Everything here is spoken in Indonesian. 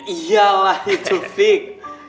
iya lah itu vick